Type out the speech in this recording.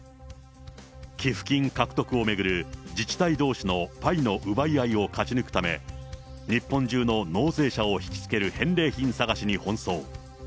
寄付金獲得を巡る自治体どうしのパイの奪い合いを勝ち抜くため、日本中の納税者を引きつける返礼品探しに奔走。